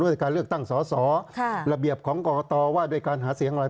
การเลือกตั้งสอสอระเบียบของกรกตว่าด้วยการหาเสียงอะไร